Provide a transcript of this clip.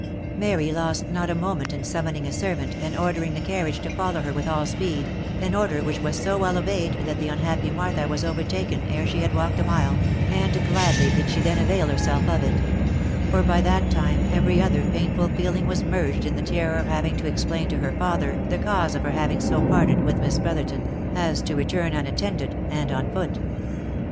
Mary lost not a moment in summoning a servant, and ordering the carriage to follow her with all speed, an order which was so well obeyed, that the unhappy Martha was overtaken ere she had walked a mile, and gladly did she then avail herself of it ; for by that time every other painful feeling was merged in the terror of having to ex plain to her father the cause of her having so parted with Miss Bro OF MICHAEL ARMSTRONG. 229 therton, as to return unattended and on foot.